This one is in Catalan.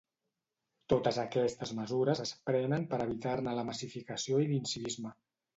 Totes aquestes mesures es prenen per a evitar-ne la massificació i l'incivisme.